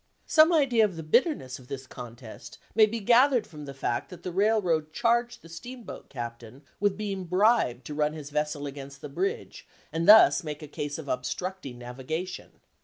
Some idea of the bitterness of this contest may be gathered from the fact that the railroad charged the steamboat captain with being bribed to run his vessel against the bridge and thus make a case of obstructing navigation.